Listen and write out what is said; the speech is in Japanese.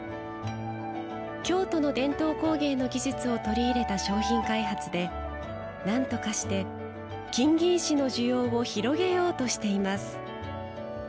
京都の伝統工芸の技術を取り入れた商品開発でなんとかして金銀糸の需要を広げようとしています。